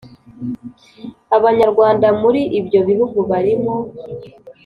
y Abanyarwanda muri ibyo bihugu barimo